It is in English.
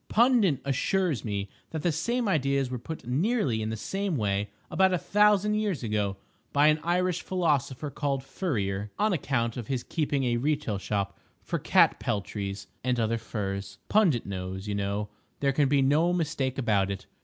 Pundit assures me that the same ideas were put nearly in the same way, about a thousand years ago, by an Irish philosopher called Furrier, on account of his keeping a retail shop for cat peltries and other furs. Pundit knows, you know; there can be no mistake about it.